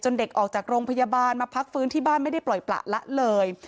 เด็กออกจากโรงพยาบาลมาพักฟื้นที่บ้านไม่ได้ปล่อยประละเลย